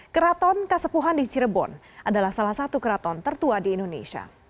keraton kasepuhan di cirebon adalah salah satu keraton tertua di indonesia